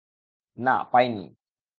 না, পাই নি।